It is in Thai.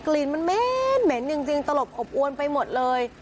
กลิ่นมันเม้นเหม็นจริงจริงตลบอบอวนไปหมดเลย